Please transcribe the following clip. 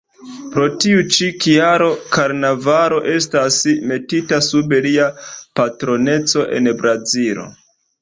Pro tiu ĉi kialo, karnavalo estas metita sub lia patroneco en Brazilo.